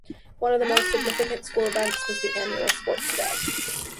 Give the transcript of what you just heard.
One of the most significant school events was the annual Sports Day.